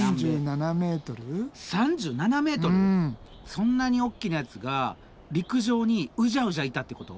そんなに大きなやつが陸上にうじゃうじゃいたってこと？